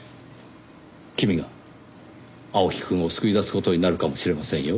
君が青木くんを救い出す事になるかもしれませんよ。